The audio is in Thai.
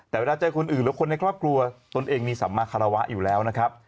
แต่เวลาใจคนอื่นหรือคนในครอบครัวตนเองมีสัมมาคารวะอยู่แล้วนะครับ